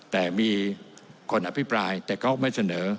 แต่มีคนอภิปรายแต่ก็ไม่เสนอ